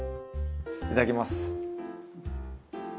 いただきます。